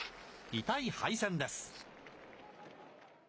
痛い敗戦です。